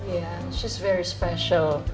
iya dia sangat istimewa